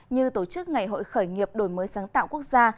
như tổ chức ngày hội khởi nghiệp đổi mới sáng tạo quốc gia